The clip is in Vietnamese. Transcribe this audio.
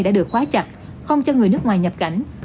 đã được khóa chặt không cho người nước ngoài nhập cảnh